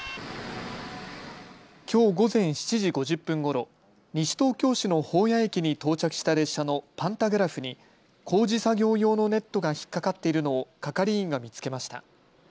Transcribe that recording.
きょう午前７時５０分ごろ、西東京市の保谷駅に到着した列車のパンタグラフに工事作業用のネットが引っ掛かっているのを係員が見つけました。